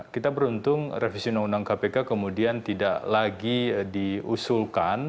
kita beruntung revisi undang undang kpk kemudian tidak lagi diusulkan